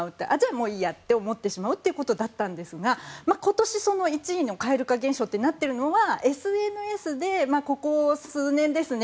もういいやと思ってしまうということだったんですが今年１位の蛙化現象となっているのはＳＮＳでここ数年ですね